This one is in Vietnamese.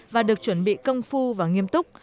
và được chuẩn bị công phu và nghiêm túc